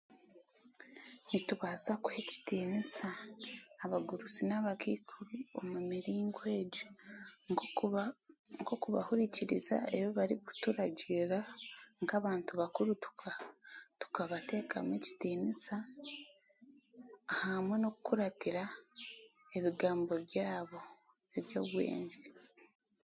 Nitubaasa kuha ekitiinisa abagurusi n'abakaikuru omu miringo egi nk'okuba nk'okubahurikiriza ebi barikuturagiira nk'abantu bakuru tukabateekamu ekitiniisa hamwe n'okukuratira ebigambo byabo eby'obwengye